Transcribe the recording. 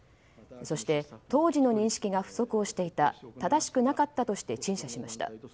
そして当時の認識が不足をしていた正しくなかったとして陳謝しました。